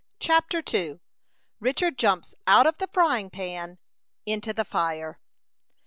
CHAPTER II. RICHARD JUMPS OUT OF THE FRYING PAN INTO THE FIRE.